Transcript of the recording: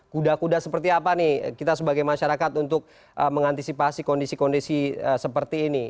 kuda kuda seperti apa nih kita sebagai masyarakat untuk mengantisipasi kondisi kondisi seperti ini